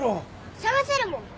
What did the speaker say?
捜せるもん。